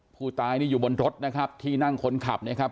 ผู้ตายนี่อยู่บนรถนะครับที่นั่งคนขับนะครับ